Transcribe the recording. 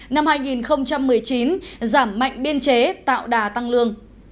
năm hai nghìn một mươi chín giảm mạnh biên chế tạo đà tăng lương